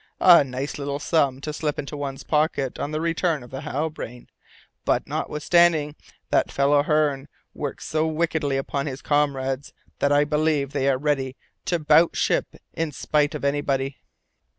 A nice little sum to slip into one's pocket on the return of the Halbrane, but, notwithstanding, that fellow Hearne works so wickedly upon his comrades that I believe they are ready to 'bout ship in spite of anybody."